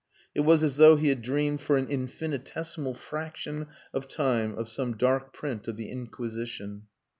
It was as though he had dreamed for an infinitesimal fraction of time of some dark print of the Inquisition.